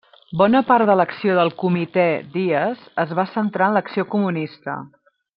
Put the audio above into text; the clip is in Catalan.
Bona part de l'acció del comitè Dies es va centrar en l'acció comunista.